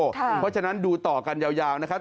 เพราะฉะนั้นดูต่อกันยาวนะครับ